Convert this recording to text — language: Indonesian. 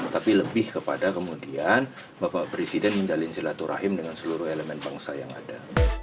tapi lebih kepada kemudian bapak presiden menjalin silaturahim dengan seluruh elemen bangsa yang ada